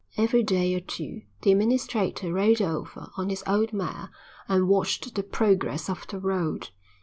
Every day or two the administrator rode over on his old mare and watched the progress of the road.